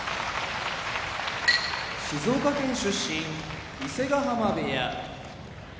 静岡県出身伊勢ヶ浜部屋